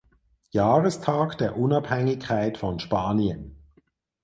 Jahrestag der Unabhängigkeit von Spanien.